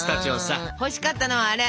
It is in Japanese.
あ欲しかったのはアレ。